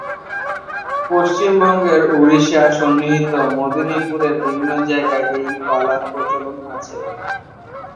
পশ্চিমবঙ্গের উড়িষ্যা-সন্নিহিত মেদিনীপুরের বিভিন্ন জায়গায় এই পালার প্রচলন আছে।